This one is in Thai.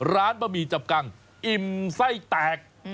ร้านแม่มี่จับกังอิ่มไส้แตก